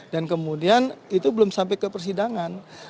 dan kemudian itu belum sampai ke persidangan